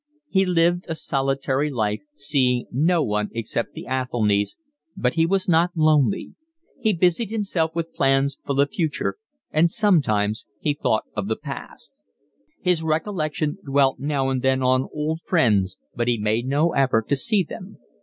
He lived a solitary life, seeing no one except the Athelnys, but he was not lonely; he busied himself with plans for the future, and sometimes he thought of the past. His recollection dwelt now and then on old friends, but he made no effort to see them.